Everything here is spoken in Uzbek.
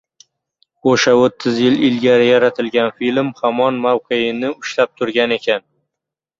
O‘sha, o‘ttiz yil ilgari yaratilgan film hamon mavqeini ushlab turgan ekan